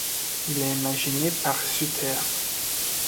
Il est imaginé par Suter.